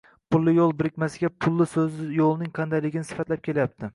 Pulli yoʻl birikmasida pulli soʻzi yoʻlning qandayligini sifatlab kelyapti